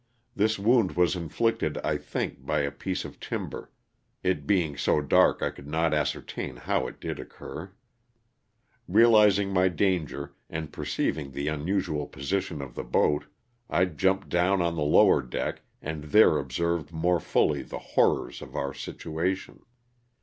This wound was inflicted, I think, by a piece of tim ber, it being so dark I could not ascertain how it did occur. Realizing my danger and perceiving the unusual position of the boat, I jumped down on the lower deck and there observed more fully the horrors LOSS OF THE SULTANA. 283 of our situation.